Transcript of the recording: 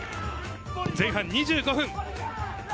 前半２５分。